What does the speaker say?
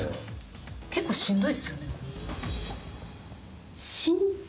結構しんどいですよね？